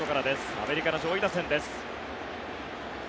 アメリカの上位打線です。